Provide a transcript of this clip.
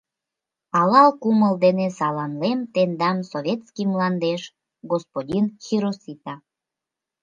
— Алал кумыл дене саламлем тендам советский мландеш, господин Хиросита.